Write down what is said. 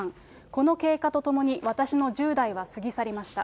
この経過とともに私の１０代は過ぎ去りました。